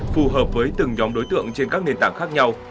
phù hợp với từng nhóm đối tượng trên các nền tảng khác nhau